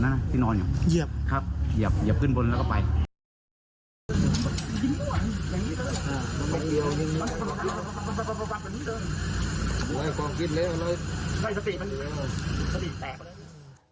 ไม่ได้สติมันอยู่ในมือสติแตกก็ได้อยู่ในมือ